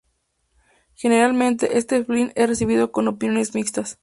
Generalmente, este film es recibido con opiniones mixtas.